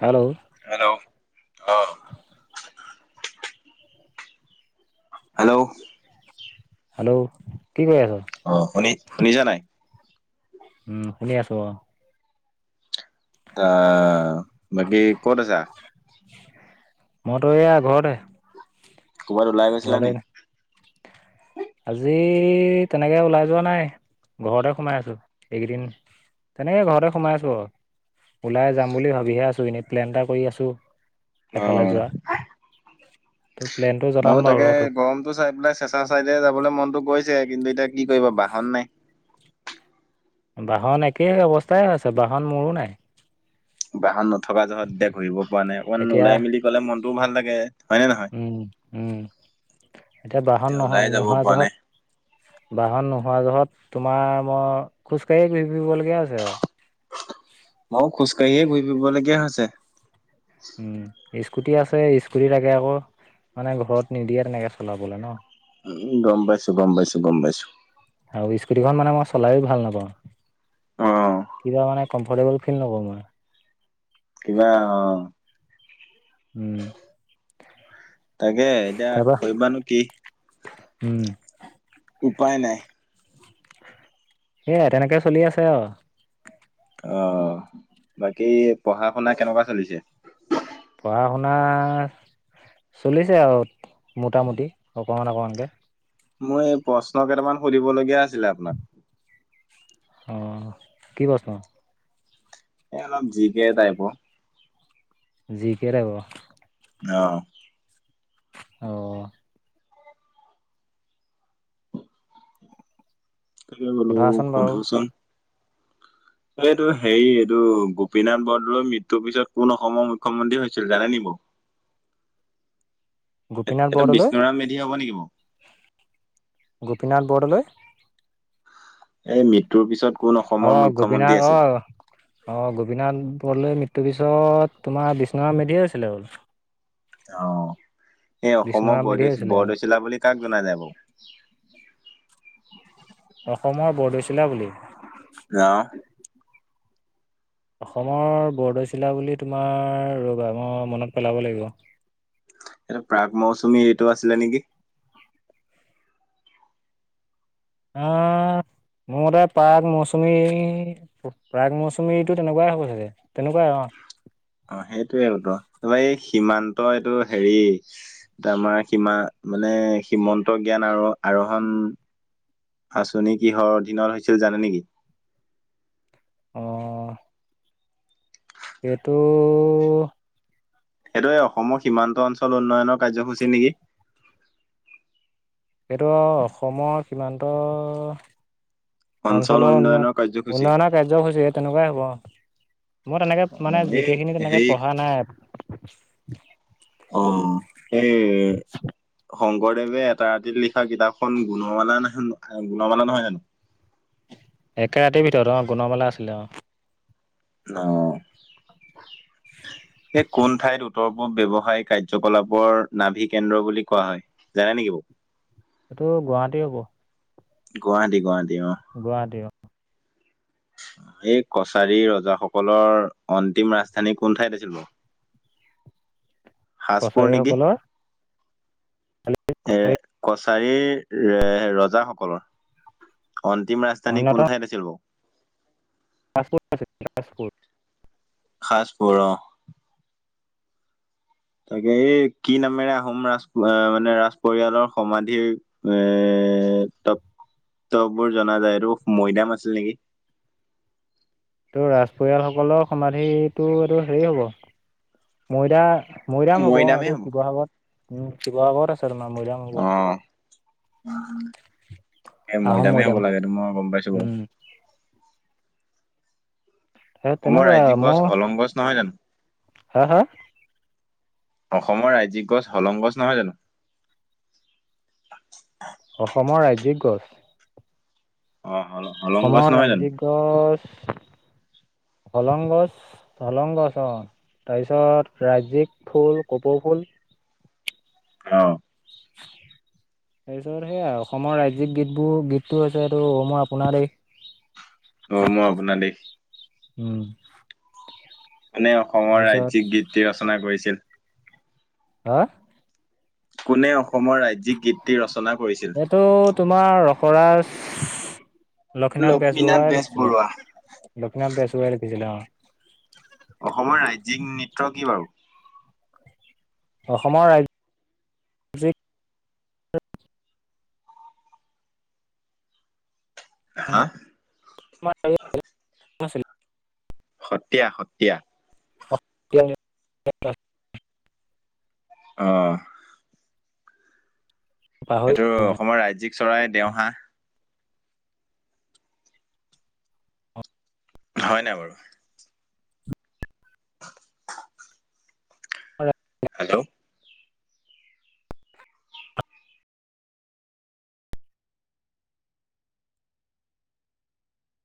Hello. Hello. অ hello. Hello, কি কৰি আছ? অ' শুনি, শুনিছা নাই? উম শুনি আছো। আহ, বাকী ক'ত আছা? মইতো এয়া ঘৰতে। কৰবাত ওলাই গৈছিলা ঘৰতে নিকি? আজি তেনেকৈ ওলাই যোৱা নাই, ঘৰতে সোমাই আছোঁ, এইকেইদিন তেনেকে ঘৰতে সোমাই আছো আৰু। ওলাই যাম বুলি ভাবিহে আছোঁ এনেই প্লেন এটা কৰি আছোঁ। অ', ত প্লেনটো জনাম ময়ো বাৰু তাকে ৰ তোক গৰমতটো চাই পেলাই চেষ্টা া চাইডে যাবলৈ মনতো গৈছে, কিন্তু এতিয়া কি কৰিব বাহন নাই। বাহন একেই অৱস্থাই হৈছে, বাহন মোৰো নাই। বাহন নথকা জহত এতিয়া ঘূৰিব পৰা নাই, অকণমান এতিয়া ওলাই মেলি গ'লে মনটোও ভাল লাগে। হয় নে নহয় উম উম, এতিয়া বাহন নহ ওলাই যাব নোহোৱা পৰা জোহত নাই বাহন নোহোৱা জহত, তোমাৰ মই, খোজকাঢ়িয়ে ঘূৰি ফুৰিবলগীয়া হৈছে আৰু। ময়ো খোজকাঢ়িয়ে ঘূৰি ফুৰিবলগীয়া হৈছে। উম, স্কুটি আছে, স্কুটি তাকে আকৌ মানে ঘৰৰ পৰা নিদিয়ে তেনেকে চলাবলে ন। উম গম পাইছো, গম পাইছো, গম পাইছো। আৰু স্কুটিখন মানে মই চলায়ো ভাল নাপাওঁ। অ কিবা মানে কফৰ্টেবল ফিল নকৰো মই। কিবা অ'। উম। তাকে এতিয়া তাৰপা কৰিবানো কি। উম। উপায় নাই। এয়া তেনেকে চলি আছে আৰু। অ', বাকী পঢ়া শুনা কেনেকুৱা চলিছে? পঢ়া শুনা, চলিছে আৰু, মোটামুটি, অকণমান অকণমানকে। মোৰ এই প্ৰশ্ন কেইটামান সুধিবলগীয়া আছিলে আপোনাক। অ', কি প্ৰশ্ন? এ অলপ জি কে টাইপৰ। জি কে টাইপৰ। অ'। অ'। তালে গ'লো সোধাচোন বাৰু বন্ধু জন এই এইটো হেৰি, এইটো গোপীনাথ বৰদলৈৰ মৃত্যুৰ পিছত, কোন অসমৰ মুখ্যমন্ত্ৰী হৈছিল জানে নেকি বাৰু? গোপীনাথ এইটো বৰদলৈ বিষ্ণুৰাম মেধি হব' নেকি বাৰু? গোপীনাথ বৰদলৈ। এই মৃত্যুৰ পিছত কোন অসমৰ অ', গোপীনাথ মুখ্যমন্ত্ৰী অ', আছিল? অ', গোপীনাথ বৰদলৈৰ মৃত্যুৰ পিছত তোমাৰ, বিষ্ণুৰাম মেধিয়ে হৈছিলে আৰু। অ' সেই অসমৰ বিষ্ণুৰাম মেধিয়ে বৰদৈ হৈছিলে অ'। বৰদৈচিলা বুলি কাক জনা যায় বাৰু? অসমৰ বৰদৈচিলা বুলি? অহ। অসমৰ বৰদৈচিলা বুলি তোমাৰ ৰবা মই মনত পেলাব লাগিব। এইটো প্ৰাগ মৌচুমী এইটো আছিলে নেকি? অহ, মোৰ মতে প্ৰাগ মৌচুমী? প্ৰাগ মৌচুমীটো তেনেকুৱাই হ'ব চাগে তেনেকুৱাই অ',। অ' সেইটোয়ে বোলো এই সীমান্ত এইটো হেৰি তাৰ মানে সীমা মানে সীমন্ত জ্ঞান আৰু আৰোহন। আচনি কিহৰ অধীনত হৈছিল জানে নেকি? অ',। এইটো সেইটোৱে অসমৰ সীমান্ত অঞ্চল উন্নয়নৰ কাৰ্যসূচী নেকি? এইটো অসমৰ কিমানটো অঞ্চল অঞ্চলৰ উন্ উন্নয়নৰ কাৰ্যসূচী। উন্নয়নৰ কাৰ্যসূচী তেনেকুৱাই হ'ব মই অ তেনেকে মানে এই যিকেই খিনি তেনেকে হেৰি পঢ়া নাই। অ' এই শংকৰদেৱে এটা ৰাতিত লিখা কিতাপখন গুণ মালা ন গুণ মালা নহয় জানো? একে ৰাতিৰ ভিতৰত অ' গুণমেলা আছিলে অ'। অ' সেই কোন ঠাইত উত্তৰ পূব ব্যৱসায়িক কাৰ্যকলাপৰ নাভি কেন্দ্ৰ বুলি কোৱা হয় জানে নেকি বৌ? এইটো গুৱাহাটী হ'ব। গুৱাহাটী গুৱাহাটী অ'। গুৱাহাটী অ'। এই কছাৰী ৰজাসকলৰ অন্তিম ৰাজধানী কোন ঠাইত আছিল বাৰু? সাজপুৰ নেকি? কছাৰীসকলৰ? এ, কছাৰীৰ এ' ৰজাসকলৰ। অন্তিম ৰাজধানী কোন ঠাইত আছিল বাৰু। পাপট আছে পছপৰ্ট [unintelligible] খাজ পুৰ অ'। তাকে এই কি নামেৰে আহোম ৰাজ মানে ৰাজ পৰিয়ালৰ সমাধিৰ এ' প, টপ বোৰ জনা যায় এইটো মৈদাম আছিল নেকি? ত ৰাজ পৰিয়াল সকলৰ সমাধিটো এইটো হেৰি হব ময়দা। মৈৰাম হ'ব আৰু শিৱসাগৰত উ শিৱসাগৰত আছে তোমাৰ মৈৰাম হ'ব। অ', এ আহোম মৈদামেই হ'ব মৈদাম লাগে মই গম পাইছো বাৰু। উম হে অসমৰ তেনেকুৱা ৰাজ্যিক গছ মই হলং গছ নহয় জানো? হা হা অসমৰ ৰাজ্যিক গছ হলং গছ নহয় জানো? অসমৰ ৰাজ্যিক গছ? অ' হয় ন অসমৰ ৰাজ্যিক গছ কলং গছ। চলং গছ তাৰপিছত ৰাজজিক ফুল কপৌ ফুল। অ'। [inaudible] তাৰপিছত সেয়াই অসমৰ ৰাজ্যিক গীতবোৰ গীতটো হৈছে এইটো 'অ মোৰ আপোনাৰ দেশ'। 'অ মোৰ আপোনাৰ দেশ'। উম কোনে অসমৰ তাৰপিছত ৰাজ্যিক গীতটি ৰচনা কৰিছিল। হা। কোনে অসমৰ ৰাজ্যিক গীতটি ৰচনা কৰিছিল। এইটো তোমাৰ ৰখৰাজ। লক্ষ্মীনাথ বেজবৰুৱাই লিখিছিলে লক্ষ্মীনাথ বেজবৰুৱাই লিখিছিলে অ। অসমৰ ৰাজ্যিক নৃত্য কি বাৰু। অসমৰ ৰা। হা। [unintelligible] সত্ৰীয়া সত্ৰীয়া। [unintelligible] অ। ত পাহৰিলোঁ মানে অসমৰ ৰাজ্যিক চৰাই দেওহা। হয়নাই বাৰু। [unintelligible] [unintelligible] হেল্ল'।